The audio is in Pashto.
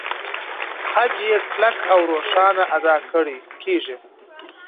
خج يې کلک او روښانه ادا کېږي.